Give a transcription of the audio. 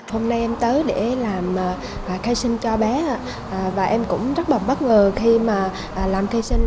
hôm nay em tới để làm khai sinh cho bé và em cũng rất là bất ngờ khi mà làm khai sinh